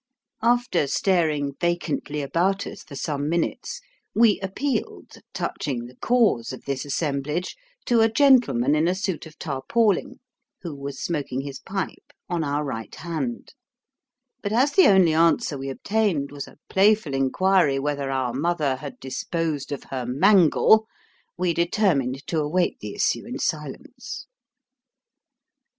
After K 130 Sketches by Bos. staring vacantly about us for some minutes, we appealed, touching the cause of this assemblage, to a gentleman in a suit of tarpauling, who was smoking his pipe on our right hand ; but as the only answer we obtained was a playful inquiry whether our mother had disposed of her mangle, we determined to await the issue in silence.